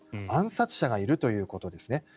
暗殺者がいるということです。